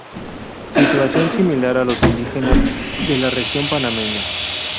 Situación similar a los indígenas de la región panameña.